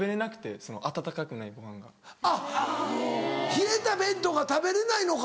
冷えた弁当が食べれないのか。